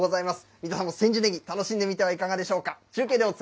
皆さんも千寿ねぎ、楽しんでみてはいかがでしょうか。